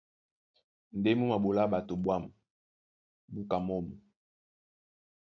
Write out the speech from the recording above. Ndé mú maɓolá ɓato ɓwǎm̀ búka mǒm.